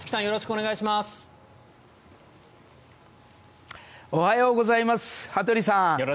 おはようございます羽鳥さん。